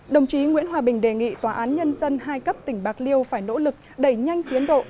đồng chí nguyễn hòa bình đề nghị tòa án nhân dân hai cấp tỉnh bạc liêu phải nỗ lực đẩy nhanh tiến độ